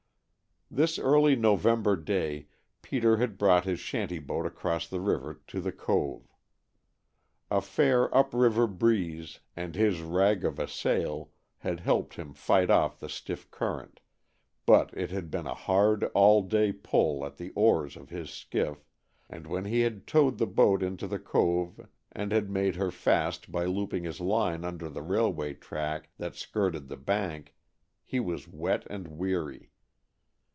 This early November day Peter had brought his shanty boat across the river to the cove. A fair up river breeze and his rag of a sail had helped him fight the stiff current, but it had been a hard, all day pull at the oars of his skiff, and when he had towed the boat into the cove and had made her fast by looping his line under the railway track that skirted the bank, he was wet and weary.